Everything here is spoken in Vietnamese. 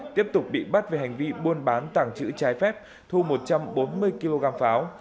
tiếp tục bị bắt về hành vi buôn bán tàng trữ trái phép thu một trăm bốn mươi kg pháo